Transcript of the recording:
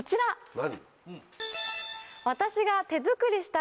何？